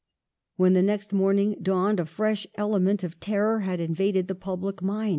When the next morning dawned a fresh ele ment of terror had invaded the public mind.